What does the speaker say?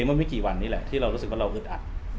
แต่ไม่กี่วันนี้แหละที่เรารู้สึกอึดอัด